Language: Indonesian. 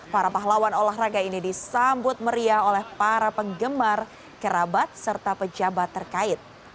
para pahlawan olahraga ini disambut meriah oleh para penggemar kerabat serta pejabat terkait